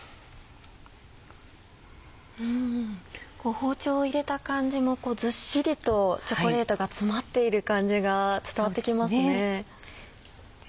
包丁を入れた感じもずっしりとチョコレートが詰まっている感じが伝わってきますね。